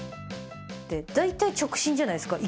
大体直進じゃないですか。